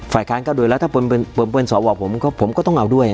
ฝ่ายคารก็ด้วยแล้วถ้าปว่นสอว่าผมก็ผมก็ต้องเอาด้วย